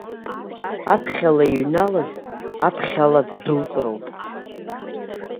Аԥхьала иҩналаз, аԥхьала ддәылҵроуп.